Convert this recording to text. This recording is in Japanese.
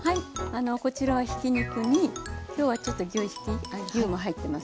こちらはひき肉に今日はちょっと牛ひき牛も入ってます。